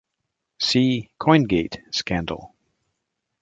See Coingate scandal.